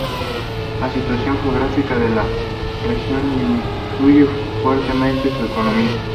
La situación geográfica de la región influye fuertemente su economía.